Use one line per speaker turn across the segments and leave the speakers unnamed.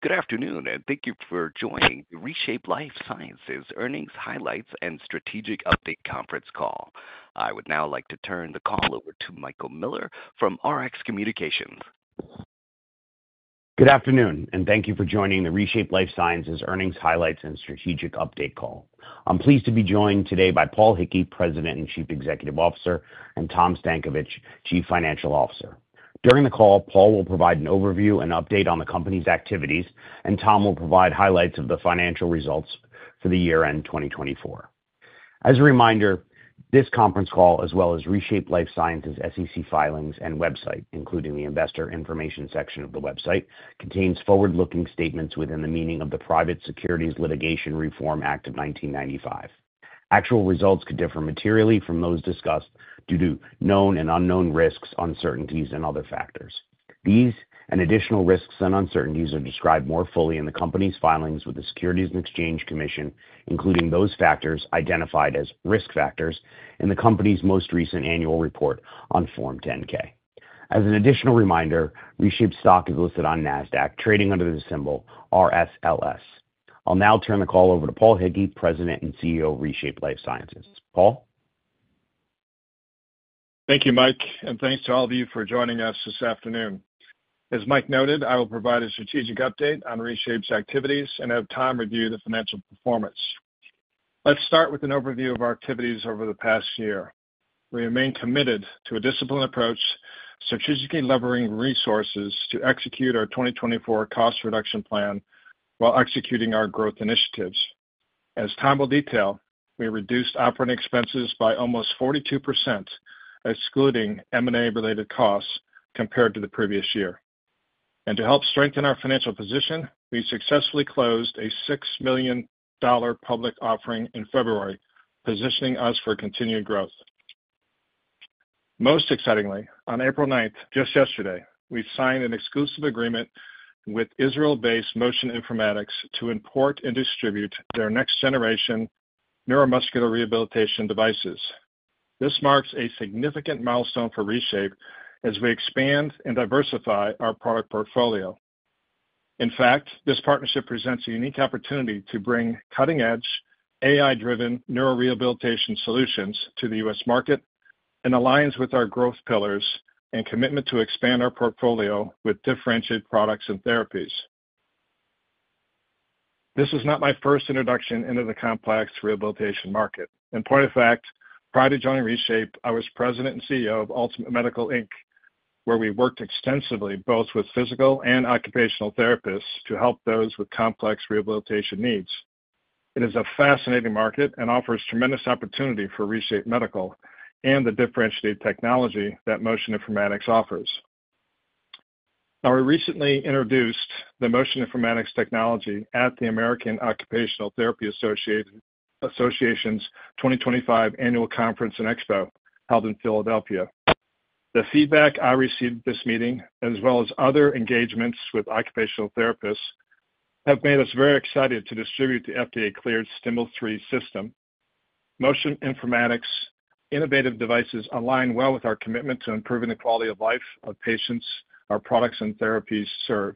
Good afternoon, and thank you for joining the ReShape Lifesciences earnings highlights and strategic update conference call. I would now like to turn the call over to Michael Miller from RX Communications.
Good afternoon, and thank you for joining the ReShape Lifesciences earnings highlights and strategic update call. I'm pleased to be joined today by Paul Hickey, President and Chief Executive Officer, and Tom Stankovich, Chief Financial Officer. During the call, Paul will provide an overview and update on the company's activities, and Tom will provide highlights of the financial results for the year-end 2024. As a reminder, this conference call, as well as ReShape Lifesciences SEC filings and website, including the investor information section of the website, contains forward-looking statements within the meaning of the Private Securities Litigation Reform Act of 1995. Actual results could differ materially from those discussed due to known and unknown risks, uncertainties, and other factors. These and additional risks and uncertainties are described more fully in the company's filings with the Securities and Exchange Commission, including those factors identified as risk factors in the company's most recent annual report on Form 10-K. As an additional reminder, ReShape stock is listed on NASDAQ, trading under the symbol RSLS. I'll now turn the call over to Paul Hickey, President and CEO of ReShape Lifesciences. Paul?
Thank you, Mike, and thanks to all of you for joining us this afternoon. As Mike noted, I will provide a strategic update on ReShape's activities and at the same time review the financial performance. Let's start with an overview of our activities over the past year. We remain committed to a disciplined approach, strategically leveraging resources to execute our 2024 cost reduction plan while executing our growth initiatives. As Tom will detail, we reduced operating expenses by almost 42%, excluding M&A-related costs, compared to the previous year. To help strengthen our financial position, we successfully closed a $6 million public offering in February, positioning us for continued growth. Most excitingly, on April 9th, just yesterday, we signed an exclusive agreement with Israel-based Motion Informatics to import and distribute their next-generation neuromuscular rehabilitation devices. This marks a significant milestone for ReShape as we expand and diversify our product portfolio. In fact, this partnership presents a unique opportunity to bring cutting-edge, AI-driven neurorehabilitation solutions to the U.S. market and aligns with our growth pillars and commitment to expand our portfolio with differentiated products and therapies. This is not my first introduction into the complex rehabilitation market. In point of fact, prior to joining ReShape, I was President and CEO of Ultimate Medical Inc., where we worked extensively both with physical and occupational therapists to help those with complex rehabilitation needs. It is a fascinating market and offers tremendous opportunity for ReShape Lifesciences and the differentiated technology that Motion Informatics offers. Now, we recently introduced the Motion Informatics technology at the American Occupational Therapy Association's 2025 Annual Conference and Expo, held in Philadelphia. The feedback I received at this meeting, as well as other engagements with occupational therapists, have made us very excited to distribute the FDA-cleared STIMEL-03 system. Motion Informatics' innovative devices align well with our commitment to improving the quality of life of patients our products and therapies serve.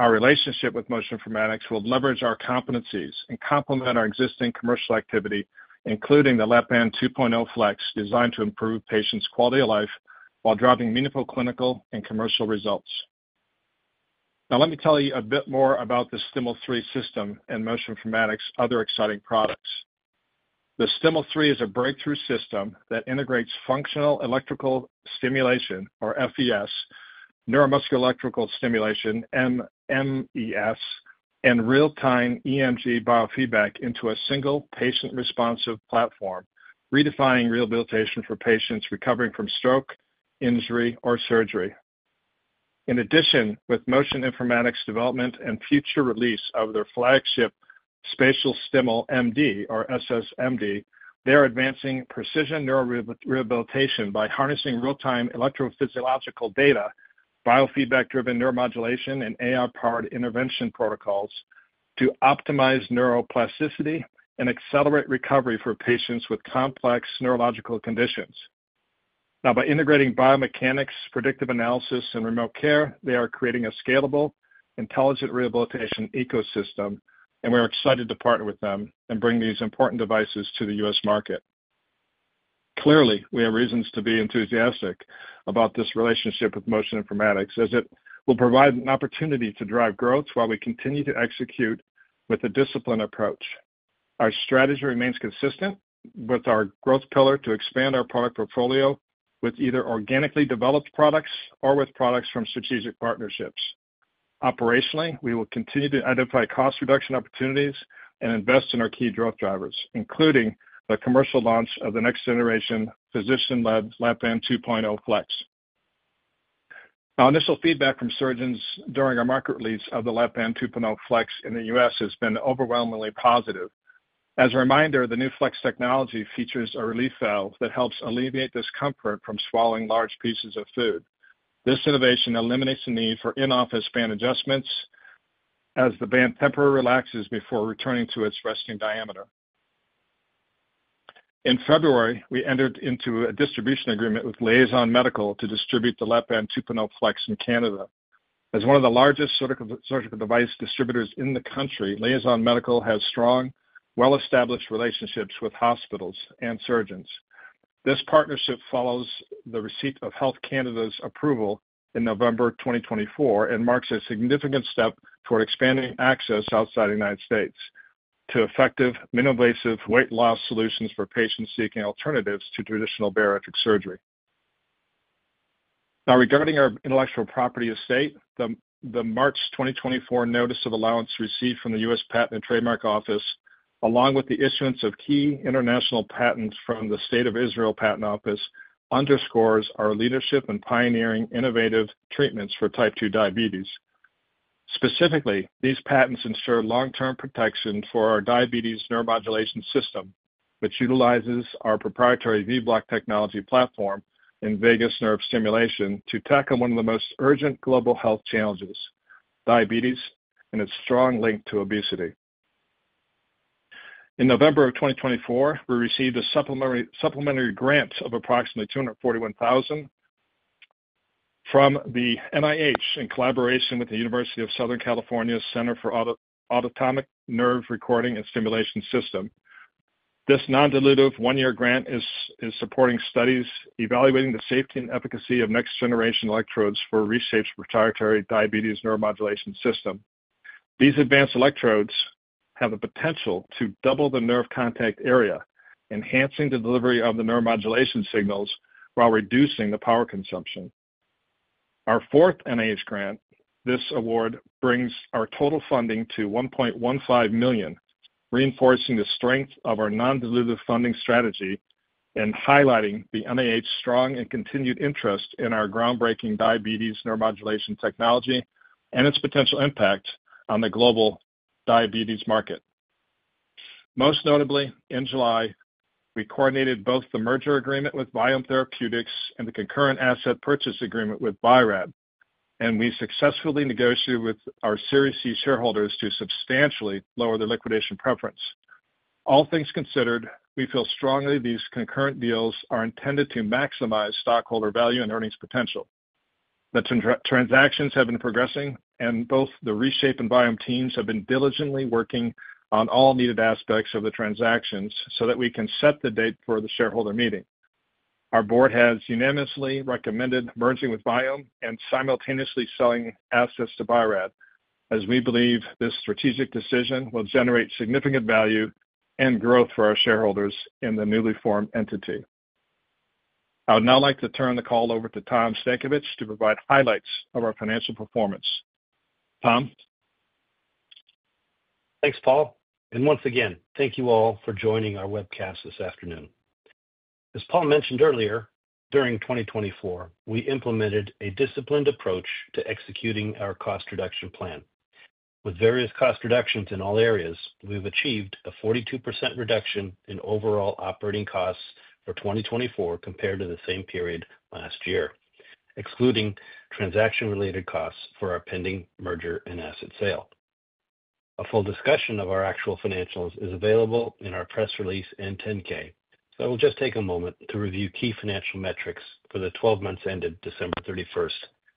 Our relationship with Motion Informatics will leverage our competencies and complement our existing commercial activity, including the Lap-Band 2.0 FLEX, designed to improve patients' quality of life while driving meaningful clinical and commercial results. Now, let me tell you a bit more about the STIMEL-03 system and Motion Informatics' other exciting products. The STIMEL-03 is a breakthrough system that integrates functional electrical stimulation, or FES, neuromuscular electrical stimulation, NMES, and real-time EMG biofeedback into a single patient-responsive platform, redefining rehabilitation for patients recovering from stroke, injury, or surgery. In addition, with Motion Informatics' development and future release of their flagship Spatial StimelMD, or SSMD, they are advancing precision neurorehabilitation by harnessing real-time electrophysiological data, biofeedback-driven neuromodulation, and AI-powered intervention protocols to optimize neuroplasticity and accelerate recovery for patients with complex neurological conditions. Now, by integrating biomechanics, predictive analysis, and remote care, they are creating a scalable, intelligent rehabilitation ecosystem, and we are excited to partner with them and bring these important devices to the U.S. market. Clearly, we have reasons to be enthusiastic about this relationship with Motion Informatics, as it will provide an opportunity to drive growth while we continue to execute with a disciplined approach. Our strategy remains consistent with our growth pillar to expand our product portfolio with either organically developed products or with products from strategic partnerships. Operationally, we will continue to identify cost reduction opportunities and invest in our key growth drivers, including the commercial launch of the next-generation physician-led Lap-Band 2.0 FLEX. Our initial feedback from surgeons during our market release of the Lap-Band 2.0 FLEX in the U.S. has been overwhelmingly positive. As a reminder, the new FLEX technology features a relief valve that helps alleviate discomfort from swallowing large pieces of food. This innovation eliminates the need for in-office band adjustments as the band temporarily relaxes before returning to its resting diameter. In February, we entered into a distribution agreement with Liaison Medical to distribute the Lap-Band 2.0 FLEX in Canada. As one of the largest surgical device distributors in the country, Liaison Medical has strong, well-established relationships with hospitals and surgeons. This partnership follows the receipt of Health Canada's approval in November 2024 and marks a significant step toward expanding access outside the United States to effective, minimally invasive weight loss solutions for patients seeking alternatives to traditional bariatric surgery. Now, regarding our intellectual property estate, the March 2024 notice of allowance received from the U.S. Patent and Trademark Office, along with the issuance of key international patents from the State of Israel Patent Office, underscores our leadership in pioneering innovative treatments for type 2 diabetes. Specifically, these patents ensure long-term protection for our diabetes neuromodulation system, which utilizes our proprietary vBloc technology platform and vagus nerve stimulation to tackle one of the most urgent global health challenges: diabetes and its strong link to obesity. In November of 2024, we received a supplementary grant of approximately $241,000 from the NIH in collaboration with the University of Southern California Center for Autonomic Nerve Recording and Stimulation System. This non-dilutive one-year grant is supporting studies evaluating the safety and efficacy of next-generation electrodes for ReShape's proprietary diabetes neuromodulation system. These advanced electrodes have the potential to double the nerve contact area, enhancing the delivery of the neuromodulation signals while reducing the power consumption. Our fourth NIH grant, this award brings our total funding to $1.15 million, reinforcing the strength of our non-dilutive funding strategy and highlighting the NIH's strong and continued interest in our groundbreaking diabetes neuromodulation technology and its potential impact on the global diabetes market. Most notably, in July, we coordinated both the merger agreement with Vyome Therapeutics and the concurrent asset purchase agreement with Biorad, and we successfully negotiated with our Series C shareholders to substantially lower their liquidation preference. All things considered, we feel strongly these concurrent deals are intended to maximize stockholder value and earnings potential. The transactions have been progressing, and both the ReShape and Vyome teams have been diligently working on all needed aspects of the transactions so that we can set the date for the shareholder meeting. Our board has unanimously recommended merging with Vyome and simultaneously selling assets to Biorad, as we believe this strategic decision will generate significant value and growth for our shareholders in the newly formed entity. I would now like to turn the call over to Tom Stankovich to provide highlights of our financial performance. Tom?
Thanks, Paul. Once again, thank you all for joining our webcast this afternoon. As Paul mentioned earlier, during 2024, we implemented a disciplined approach to executing our cost reduction plan. With various cost reductions in all areas, we've achieved a 42% reduction in overall operating costs for 2024 compared to the same period last year, excluding transaction-related costs for our pending merger and asset sale. A full discussion of our actual financials is available in our press release and 10-K, so I will just take a moment to review key financial metrics for the 12 months ended December 31st,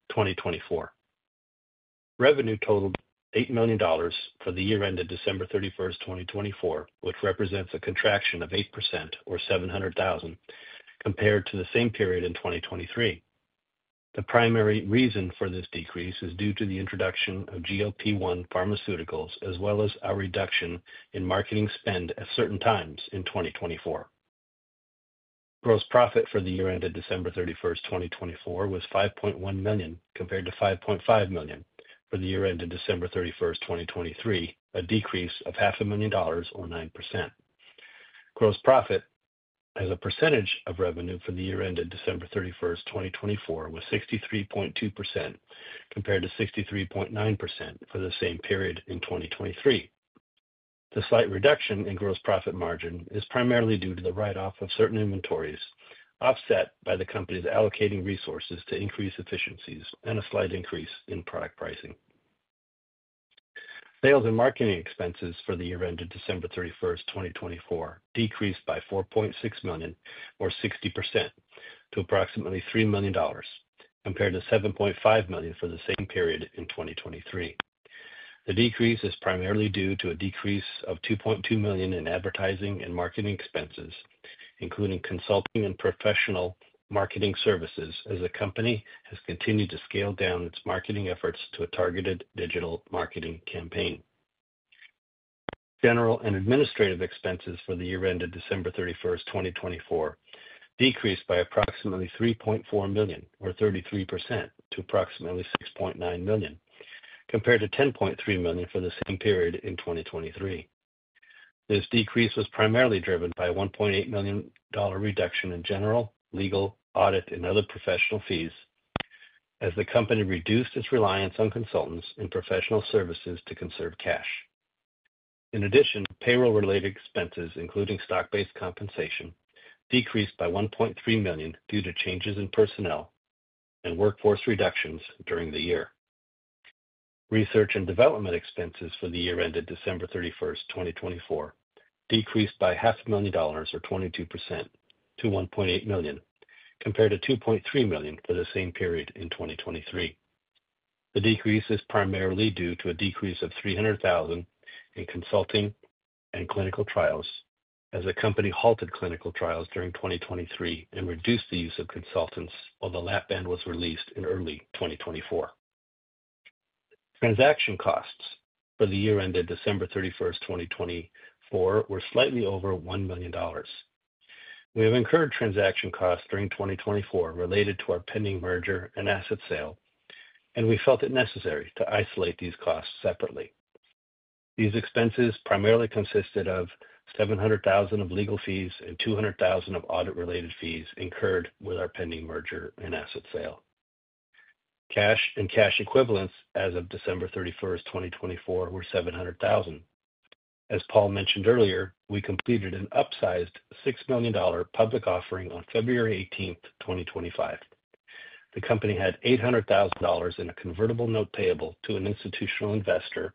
2024. Revenue totaled $8 million for the year-end of December 31st, 2024, which represents a contraction of 8%, or $700,000, compared to the same period in 2023. The primary reason for this decrease is due to the introduction of GLP-1 pharmaceuticals, as well as our reduction in marketing spend at certain times in 2024. Gross profit for the year-end of December 31st, 2024, was $5.1 million compared to $5.5 million for the year-end of December 31st, 2023, a decrease of $500,000, or 9%. Gross profit as a percentage of revenue for the year-end of December 31st, 2024, was 63.2%, compared to 63.9% for the same period in 2023. The slight reduction in gross profit margin is primarily due to the write-off of certain inventories, offset by the company's allocating resources to increase efficiencies and a slight increase in product pricing. Sales and marketing expenses for the year-end of December 31st, 2024, decreased by $4.6 million, or 60%, to approximately $3 million, compared to $7.5 million for the same period in 2023. The decrease is primarily due to a decrease of $2.2 million in advertising and marketing expenses, including consulting and professional marketing services, as the company has continued to scale down its marketing efforts to a targeted digital marketing campaign. General and administrative expenses for the year-end of December 31st, 2024, decreased by approximately $3.4 million, or 33%, to approximately $6.9 million, compared to $10.3 million for the same period in 2023. This decrease was primarily driven by a $1.8 million reduction in general, legal, audit, and other professional fees, as the company reduced its reliance on consultants and professional services to conserve cash. In addition, payroll-related expenses, including stock-based compensation, decreased by $1.3 million due to changes in personnel and workforce reductions during the year. Research and development expenses for the year-end of December 31st, 2024, decreased by $500,000, or 22%, to $1.8 million, compared to $2.3 million for the same period in 2023. The decrease is primarily due to a decrease of $300,000 in consulting and clinical trials, as the company halted clinical trials during 2023 and reduced the use of consultants while the Lap-Band was released in early 2024. Transaction costs for the year-end of December 31st, 2024, were slightly over $1 million. We have incurred transaction costs during 2024 related to our pending merger and asset sale, and we felt it necessary to isolate these costs separately. These expenses primarily consisted of $700,000 of legal fees and $200,000 of audit-related fees incurred with our pending merger and asset sale. Cash and cash equivalents as of December 31st, 2024, were $700,000. As Paul mentioned earlier, we completed an upsized $6 million public offering on February 18th, 2025. The company had $800,000 in a convertible note payable to an institutional investor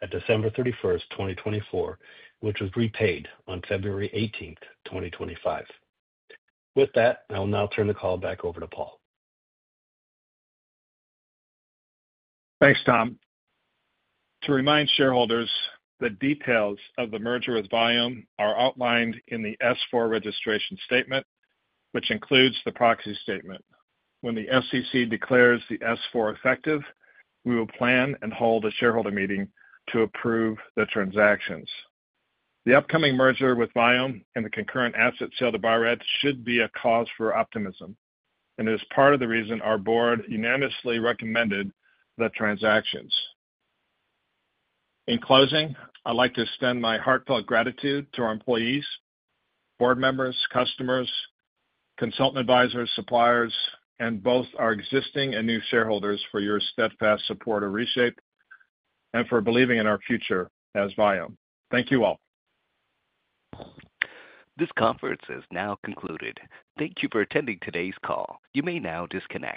at December 31st, 2024, which was repaid on February 18th, 2025. With that, I will now turn the call back over to Paul.
Thanks, Tom. To remind shareholders, the details of the merger with Vyome are outlined in the S4 registration statement, which includes the proxy statement. When the SEC declares the S4 effective, we will plan and hold a shareholder meeting to approve the transactions. The upcoming merger with Vyome and the concurrent asset sale to Biorad should be a cause for optimism, and it is part of the reason our board unanimously recommended the transactions. In closing, I'd like to extend my heartfelt gratitude to our employees, board members, customers, consultant advisors, suppliers, and both our existing and new shareholders for your steadfast support of ReShape and for believing in our future as Vyome. Thank you all.
This conference is now concluded. Thank you for attending today's call. You may now disconnect.